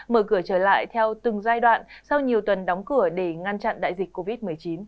mở cửa trở lại theo từng giai đoạn sau nhiều tuần đóng cửa để ngăn chặn đại dịch covid một mươi chín